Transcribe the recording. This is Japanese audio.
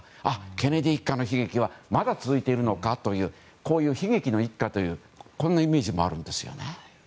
ケネディ一家の悲劇はまだ続いているのかというこういう悲劇の一家というイメージもあるんですよね。